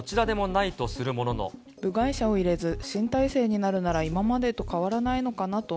部外者を入れず新体制になるなら、今までと変わらないのかなと。